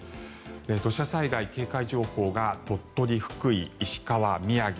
土砂災害警戒情報が鳥取、福井、石川、宮城。